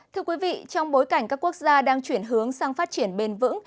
thưa quý vị trong bối cảnh các quốc gia đang chuyển hướng sang phát triển bền vững